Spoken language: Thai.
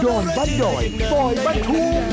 โดนบ้านด่อยปล่อยบ้านทุ่ม